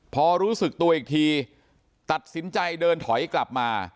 พอรู้สึกตัวอีกทีตัดสินใจเดินถอยกลับมา